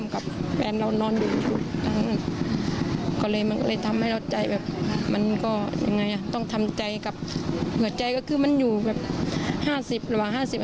มันก็ต้องทำใจกับหัวใจมันอยู่๕๐ระหว่าง